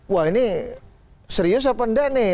wah ini serius apa enggak nih